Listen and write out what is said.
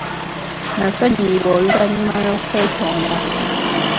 Nasonyiyibwa oluvannyuma lw'okwetonda.